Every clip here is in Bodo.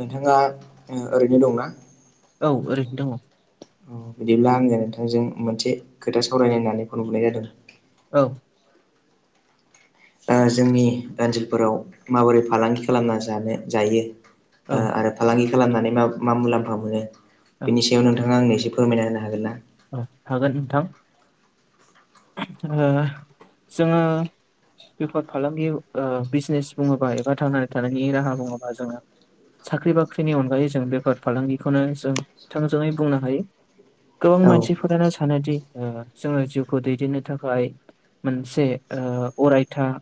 नोंथाङा ओ ओरैनो दंना औ ओरैनो दङ औ बिदिब्ला आङो नोंथांजों मोनसे खोथा सावरायलायनानै लोगो हनाय जादों। औ जोंनि ओनसोलफोराव माबोरै फालांगि खालामना जानो जायो औ आरो फालांगि खालामनानै मा मा मुलाम्फा मोनो औ बेनि सायाव नोंथाङा आंनो एसे फोरमायना होनो हागोन ना? औ हागोन नोंथां। ओ जोङो बेफार फालांगि ओ बिजनेस बुङोबा एबा थांनानै थानायनि राहा बुङोबा जोङो साख्रि बाख्रिनि अनगायै जों बेफार फालांगिखौनो जों थोंजोङै बुंनो हायो। गोबां औ मानसिफोरानो सानोदि जोङो जिउ खौ दैदेननो थाखाय मोनसे अरायथा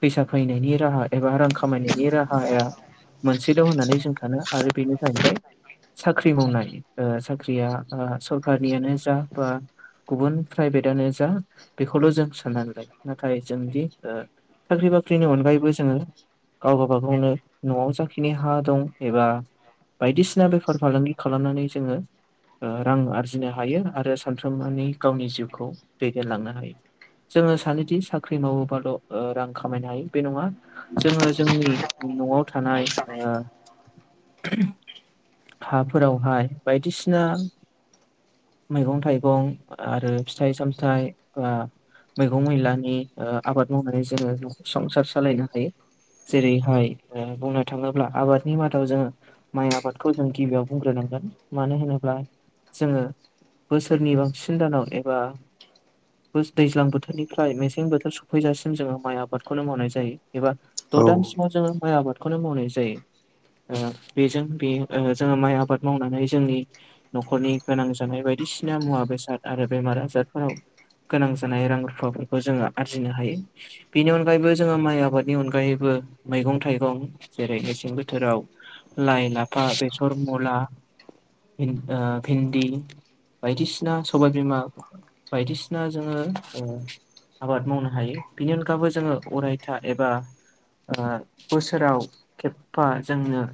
फैसा फैनायनि राहा एबा रां खामायनायनि राहाया मोनसेल' होननानै जों सानो आरो बेनो जाहैबाय साख्रि मावनाय साख्रिआ सरखारनियानो बा गुबुन प्राइभेटानो जा बेखौल' जों साननांगोन नाथाय जोंदि साख्रि बाख्रिनि अनगायैबो जोङो गावबा गावबा गावनो न'आव जाखिनि हा दं एबा बायदिसिना बेफार फालांगि खालामनानै जोङो। ओ रां आरजिनो हायो आरो सानफ्रोमबोनि गावनि जिउखौ दैदेनलांनो हायो। जोङो सानोदि साख्रि मावोबाल' रां खामायनो हायो बे नङा। जोङो जोंनि न'आव थानाय ओ हाफोरावहाय बायदिसिना मैगं थाइगं आरो फिथाइ सामथाइ ओ मैगं मैलानि आबाद मावनानै जोङो संसार सालायनो हायो। जेरैहाय बुंनो थाङोब्ला आबादनि मादाव जोङो माइ आबादखौ जों गिबियाव बुंग्रोनांगोन मानो होनोब्ला जोङो बोसोरनि बांसिन दानाव एबा दैज्लां बोथोरनिफ्राय मेसें बोथोर सफैजासिम जोङो माइ आबादखौनो मावनाय जायो एबा औ द' दानसिमाव जोङो माइ आबादखौनो मावनाय जायो। ओ बेजों बे ओ जोङो माइ आबाद मावनानै जोंनि न'खरनि गोनां जानाय बायदिसिना मुवा बेसाद आरो बेमार आजारफोराव गोनां जानाय रां रुफाफोरखौ जोङो आरजिनो हायो। बिनि अनगायैबो जोङो माइ आबादनि अनगायैबो मैगं थाइगं जेरै- मेसें बोथोराव लाइ, लाफा, बेसर, मुला भिन ओ भिन्दि बायदिसिना सबायबिमा बायदिसिना जोङो ओ आबाद मावनो हायो। बिनि अनगाबो जोङो अरायथा एबा ओ बोसोराव खेप्फा जोंनो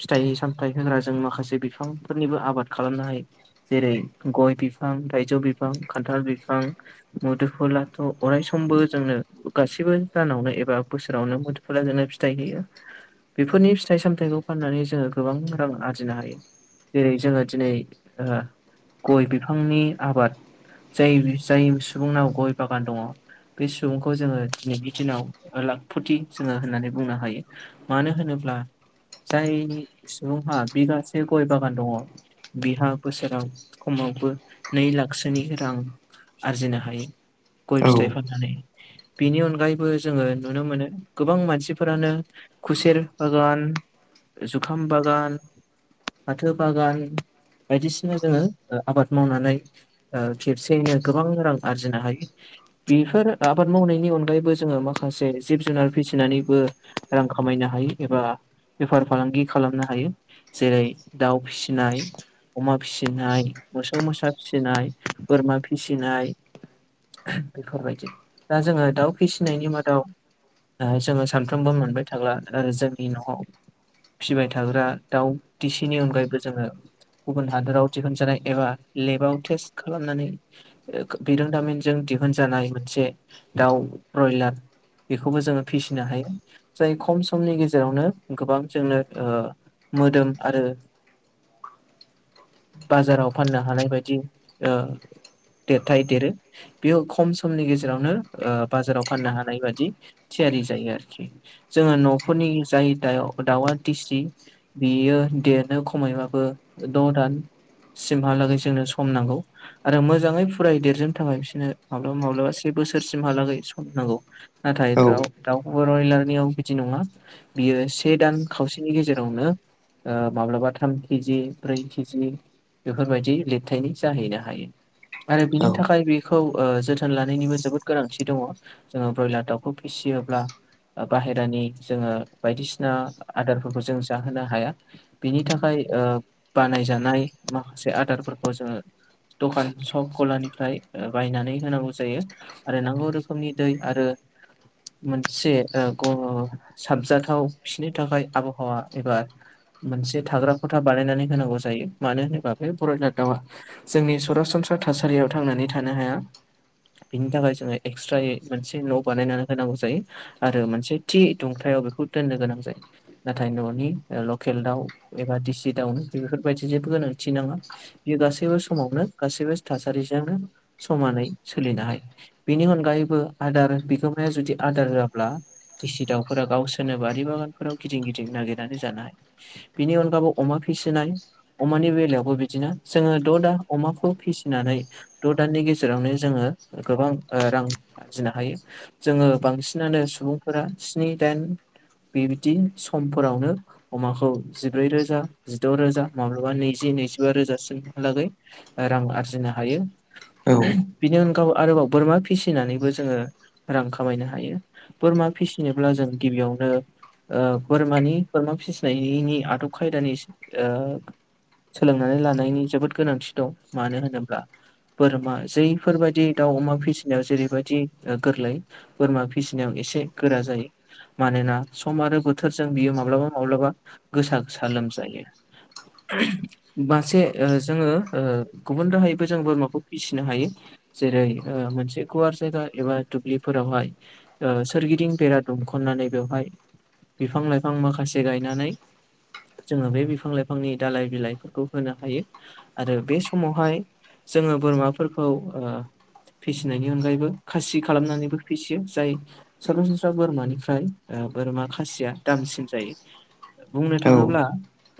फिथाइ सामथाइ होग्रा जों माखासे बिफांफोरनिबो आबाद खालामनो हायो। जेरै- गय बिफां, थायजौ बिफां, खान्थाल बिफां, मुदुम्फुलाथ' अरायसमबो जोंनो गासिबो दानावनो एबा बोसोरावनो मुद फोरा जोंनो फिथाइ होयो। बेफोरनि फिथाइ सामथाइखौ फाननानै जोङो गोबां रां आरजिनो हायो। जेरै जोङो दिनै ओ गय बिफांनि आबाद जाय जाय सुबुंनाव गय बागान दङ बे सुबुंखौ जोङो दिनैनि दिनाव लाखफुथि जोङो होननानै बुंनो हायो। मानो होनोब्ला जायनि सुबुंहा बिगासे गय बागान दङ बिहा बोसोराव खमावबो नै लाखसोनि रां आरजिनो हायो औ गय फिथाइ फाननानै। बिनि अनगायैबो जोङो नुनो मोनो गोबां मानसिफोरानो खुसेर बागान, जुखाम बागान, फाथो बागान बायदिसिना जोङो ओ आबाद मावनानै ओ खेबसेयैनो गोबां रां आरजिनो हायो। बिफोर आबाद मावनायनि अनगायैबो जोङो माखासे जिब जुनार फिसिनानैबो रां खामायनो हायो एबा बेफार फालांगि खालामनो हायो। जेरै- दाउ फिसिनाय, अमा फिसिनाय, मोसौ मोसा फिसिनाय, बोरमा फिसिनाय, ओ बेफोरबायदि। दा जोङो दाउ फिसिनायनि मादाव ओ जोङो सानफ्रोमबो मोनबाय थाग्रा आरो जोंनि न'आव फिबाय थाग्रा दाउ दिसिनि अनगायैबो जोङो गुबुन हादोराव दिहुनजानाय एबा लेबाव टेस्ट खालामनानै ओ बिरोंदामिनजों दिहुनजानाय मोनसे दाउ प्रयलार बेखौबो जोङो फिसिनो हायो। जाय खम समनि गेजेरावनो गोबां जोंनो ओ मोदोम आरो बाजाराव फाननो हानाय बायदि ओ देर थाइ देरो। बेयो खम समनि गेजेरावनो ओ बाजाराव फाननो हानाय बादि थियारि जायो आरोखि। जोङो न'फोरनि जाय दउ दाउ दिसि बियो देरनो खमोइबाबो द' दान सिमहालागैसो जोंनो सम नांगौ। आरो मोजाङै फुरायै देरजोबनो थाखाय बिसोरनो माब्लाबा माब्लाबा बोसोरसिमहालागै सम नांगौ। नाथाय द्राउ दाउ ब्रयलारनियाव बिदि नङा। बियो से दान खावसेनि गेजेरावनो ओ माब्लाबा थाम केजि, ब्रै केजि बेफोरबायदि लिर थाइनि जाहैनो हायो। आरो बिनि औ थाखाय बेखो खौ जोथोन लानायनिबो जोबोद गोनांथि दङ। जोङो ब्रयलार दाउखौ फिसियोब्ला बाहेरानि जोङो बायदिसिना आदारफोरखौ जों जाहोनो हाया। बिनि थाखाय ओ बानायजानाय माखासे आदारफोरखौ जोङो दखान सब गलानिफ्राय ओ बायनानै होनांगौ जायो। आरो नांगौ रोखोमनि दै आरो मोनसे ओ गं साबजाथाव खिनो थाखाय आबहावा एबा मोनसे थाग्रा खथा बानायनानै होनांगौ जायो मानो होनोबा बे ब्रइलार दावा जोंनि सरासनस्रा थासारियाव थांनानै थानो हाया। बिनि थाखाय जोङो एक्सट्रायै मोनसे न' बानायनानै होनांगौ जायो आरो मोनसे थि दुंथायाव बेखौ दोननो गोनां जायो‌। नाथाय न'नि ओ लकेल दाउ एबा दिसि दाउनो बेफोरबायदि जेबो गोनांथि नाङा। बियो गासैबो समावनो गासैबो थासारिजोंनो समानै सोलिनो हायो। बिनि अनगायैबो आदार बिगोमाया जुदि आदार होआब्ला। दिसि दाउफोरा गावसोरनो बारि बागानफोराव गिदिं गिदिं नागिरनानै जानो हायो। बिनि अनगाबो अमा फिसिनाय अमानि बेलायावबो बिदिनो। जोङो द' दान अमाखौ फिसिनानै द' दाननि गेजेरावनो जोङो गोबां रां आरजिनो हायो। जोङो बांसिनानो सुबुंफोरा स्नि दाइन बेबायदि समफोरावनो अमाखौ जिब्रै रोजा जिद' रोजा माब्लाबा नैजि नैजिबा रोजासिम। हालागै रां आरजिनो हायो। औ बिनि अनगाबो आरोबाव बोरमा फिसिनानैबो जोङो रां खामायनो हायो बोरमा फिसिनोब्ला जों गिबियावनो ओ बोरमानि बोरमा फिसिनायनि आदब खायदानि ओ सोलोंनानै लानायनि जोबोद गोनांथि दं मानो होनोब्ला बोरमा जैफोरबायदि दाउ फिसिनायाव जेरैबायदि गोरलै बोरमा फिसिनायाव एसे गोरा जायो। मानोना सम आरो बोथोरजों बियो माब्लाबा माब्लाबा गोसा गोसा लोमजायो। बासे ओ जोङो ओ गुबुन राहायैबो जों बोरमाखौ फिसिनो हायो। जेरै मोनसे गुवार जायगा एबा दुब्लिफोरावहाय ओ सोरगिदिं बेरा दुमखन्नानै बेवहाय बिफां लाइफां माखासे गायनानै जोङो बे बिफां लाइफांनि दालाइ बिलाइफोरखौ होनो हायो। आरो बे समावहाय जोङो बोरमाफोरखौ ओ फिसिनायनि अनगायैबो खासि खालामनानैबो फिसियो जाय सरासनस्रा बोरमानिफ्राय ओ बोरमा खासिया दामसिन जायो। बुंनो थाङोब्ला औ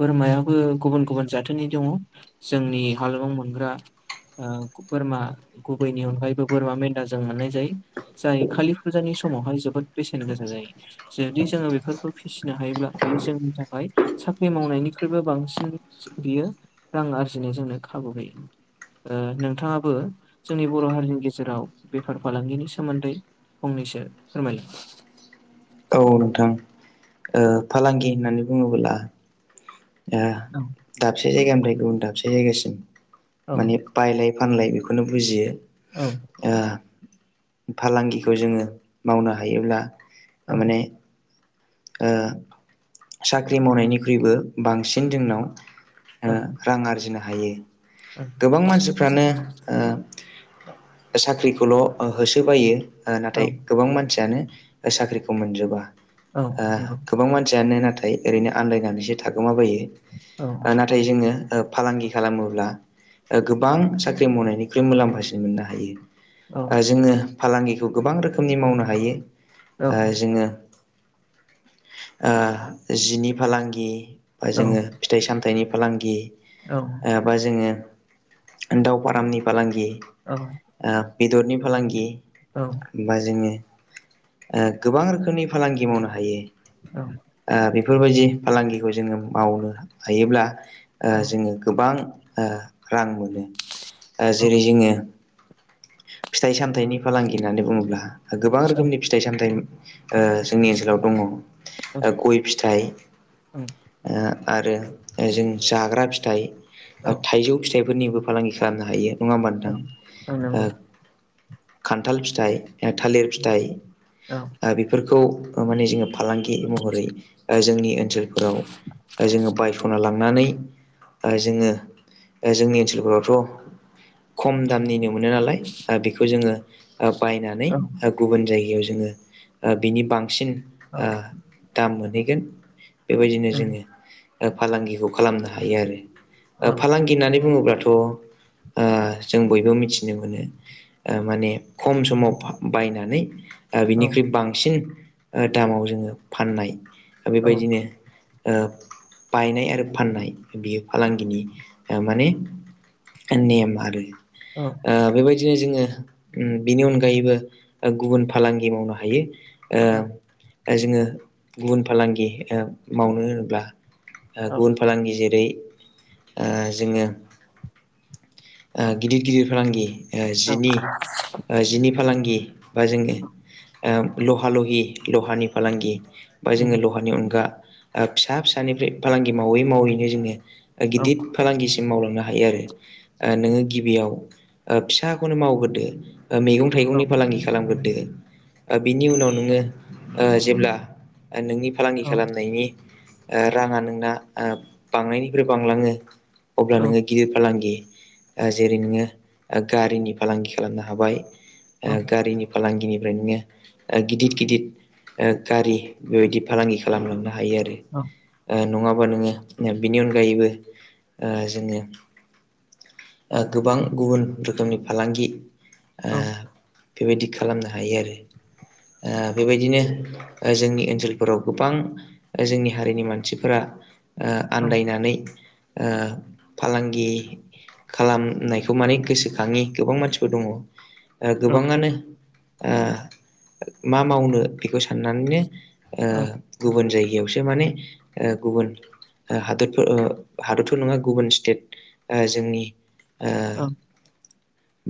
बोरमायाबो गुबुन गुबुन जाथोनि दङ'। जोंनि हालामाव मोनग्रा ओ बोरमा गुबैनि अनगायैबो बोरमा मेन्दा जों मोननाय जायो। जाय कालि फुजानि समावहाय जोबोद बेसेन गोसा जायो। जुदि जोङो बेफोरखौ फिसिनो हायोब्ला बेयो जोंनि थाखाय साख्रि मावनायनिख्रुइबो बांसिन बियो रां आरजिनाय जोंनो खाबु होयो। ओ नोंथाङाबो जोंनि बर' हारिनि गेजेराव बेफार फालांगिनि सोमोन्दै फंनैसो फोरमाय औ नोंथां फालांगि होननानै बुङोबोला ओ औ दाबसे जायगानिफ्राय गुबुन दाबसे जायगासिम औ माने बायलाय फानलाय बेखौनो बुजियो। औ। आह फालांगिखौ जोङो मावनो हायोब्ला औ थारमाने ओ साख्रि मावनायनिख्रुइबो- बांसिन जोंनाव औ रां आरजिनो हायो। औ गोबां मानसिफ्रानो। ओ साख्रिखौल' होसोबायो ओ औ नाथाय गोबां मानसियानो साख्रिखौ मोनजोबा औ ओ नंगौ गोबां मानसियानो नाथाय ओरैनो आनन्दायनानैसो थागोमाबायो औ नाथाय जोङो फालांगि खालामोब्ला ओ गोबां साख्रि मावनायनिख्रुइ मुलाम्फासिन मोननो हायो औ आरो जोङो फालांगिखौ गोबां रोखोमनि मावनो हायो ओ जोङो ओ जिनि फालांगि बा औ जोङो। फिथाइ सामथाइनि फालांगि। औ। ओ बा जोङो दाउ फारामनि फालांगि। औ। ओ बेदरनि फालांगि औ। बा जोङो ओ गोबां रोखोमनि फालांगि मावनो हायो। औ। ओ बेफोरबायदि फालांगिखौ जोङो मावनो हायोब्ला। ओ औ जोङो गोबां ओ रां मोनो ओ औ जेरै जोङो। फिथाइ सामथायाइनि फालांगि होननानै बुङोब्ला गोबां रोखोमनि फिथाइ सामथाइ ओ जोंनि ओनसोलाव दङ' ओगय फिथाइ, ओं। ओ आरो जों जाग्रा फिथाइ औ थाइजौ फिथाइ, बेफोरनिबो फालांगि खालामनो हायो नङा होमबा नोंथां नंगौ खान्थाल फिथाइ थालिर फिथाइ औ फोरखौ माने जोङो। फालांगि महरै जोंनि ओनसोलफोराव जोङो बायस'ना लाङो। नानै जोङो जोंनि ओनसोलफोरावथ' खम दामनिनो मोनो नालाय बेखौ जोङो बायनानै औ गुबुन जायगायाव जोङो बिनि बांसिन औ दाम मोनहैगोन बेबायदिनो औ जोङो फालांगिखौ खालामनो हायो आरो। औ फालांगि होननानै बुङोब्लाथ' जों बयबो मिथियो। मोनो माने खम समाव बायनानै। औ बिनिख्रुइ बांसिन दामाव जोङो फाननाय औ बेबायदिनो बायनाय आरो फाननाय बियो फालांगिनि माने नेम आरो। औ बेबायदिनो जोङो बिनि अनगायैबो गुबुन फालांगि मावनो हायो। जोङो गुबुन फालांगि मावनो होनोब्ला गुबुन फालांगि जेरै जोङो गिदिर गिदिर फालांगि। जिनि जिनि फालांगि बा जोंनि लहा लहि लहानि फालांगि बा जोङो लहानि अनगा फिसा फिसानिफ्राय फालांगि मावै मावैनो जोङो गिदिर फालांगिसिम मावलांनो हायो आरो नोङो गिबियाव फिसाखौनो मावग्रोदो मैगं थाइगंनि फालांगि खालामग्रोदो बिनि उनाव नोङो जेब्ला नोंनि फालांगि खालामनायनि राङा नोंना बांनायनिफ्राय बांलाङो अब्ला नोङो। गिदिर फालांगि जेरै नोङो गारिनि फालांगि खालामनो हाबाय। गारिनि फालांगिनिफ्राय नोङो गिदिर गिदिर गारि बेबायदि फालांगि खालामलांनो हायो आरो। औ नङाबा नोङो बिनि अनगायैबो जोङो गोबां गुबुन रोखोमनि फालांगि ओ औ बेबायदि खालामनो हायो आरो। बेबायदिनो जोंनि ओनसोलफोराव गोबां जोंनि हारिनि मानसिफोरा आनदायनानै ओ फालांगि खालामनायखौ माने गोसो थाङि गोबां मानसिफोर दङ गोबाङानो मा मावनो बेखौ साननानैनो ओ गुबुन जायगायावसो माने गुबुन हादोरफोर हादोरथ' नङा गुबुन स्टेट जोंनि ओ औ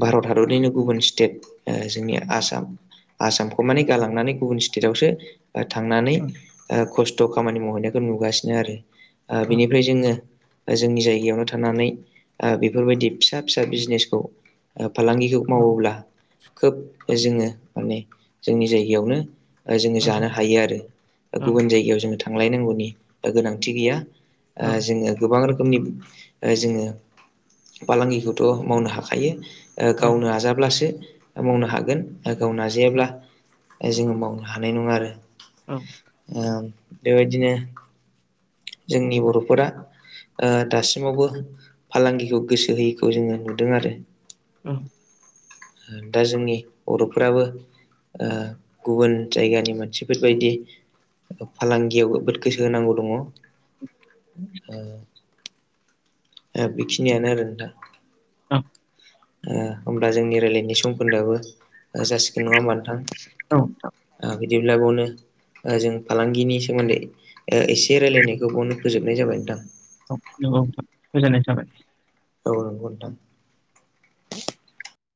भारत हादरनिनो गुबुन स्टेट जोंनि आसाम आसामखौ माने गालांनानै गुबुन स्टेटआवसो थांनानै खस्थ' खामानि मावहैनायखौ नुगासिनो आरो। औ बिनिफ्राय जोङो जोंनि जायगायावनो थानानै ओ बेफोरबायदि फिसा फिसा बिजनेसखौ फालांगि जुग मावोब्ला खोब जोङो माने जोंनि जायगायावनो जोङो जानो हायो आरो गुबुन जायगायाव जोङो थांलायनांगौनि गोनांथि गैया। ओ जोङो गोबां रोखोमनि जोङो फालांगिखौथ' मावनो हाखा हायो गाव नाजाब्लासो मावनो हागोन गाव नाजायाब्ला औ जोङो मावनो हानाय नङा आरो। औ बेबायदिनो जोंनि बर'फोरा ओ दासिमावबो फालांगिखौ गोसो होयैखौ जोङो नुदों आरो। औ दा जोंनि बर'फोराबो ओ गुबुन जायगानि मानसिफोरबायदि फालांगियाव जोबोद गोसो होनांगौ दङ। औ ओ ओ बेखिनियानो आरो नोंथां। औ ओ होमब्ला जोंनि रायलायनाय सम खोन्दोआबो जासिगोन नङा होमबा नोंथां? नंगौ आ बिदिब्ला बेयावनो ओ जों फालांगिनि सोमोन्दै ओ एसे रायलायनायखौ बावनो फोजोबनाय जाबाय नोंथां। औ नंगौ नोंथां गोजोननाय थाबाय। औ नंगौ नोंथां।